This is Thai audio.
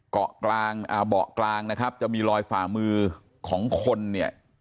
เกาะกลางอ่าเบาะกลางนะครับจะมีรอยฝ่ามือของคนเนี่ย